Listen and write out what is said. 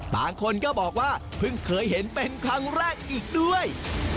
บางคนก็บอกว่าเพิ่งเคยเห็นเป็นครั้งแรกอีกด้วย